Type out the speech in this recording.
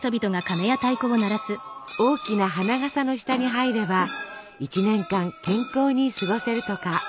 大きな花がさの下に入れば一年間健康に過ごせるとか。